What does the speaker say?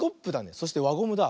そしてわゴムだ。